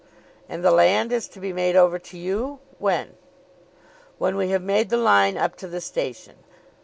"And the land is to be made over to you, when?" "When we have made the line up to the station."